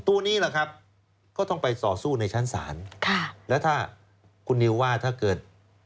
ตัวนี้แหละครับก็ต้องไปต่อสู้ในชั้นศาลค่ะแล้วถ้าคุณนิวว่าถ้าเกิด